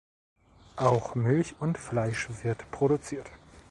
Auch Milch und Fleisch wird produziert.